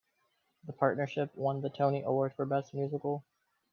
The partnership won the Tony Award for Best Musical.